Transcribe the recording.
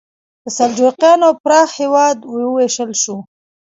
د سلجوقیانو پراخ هېواد وویشل شو.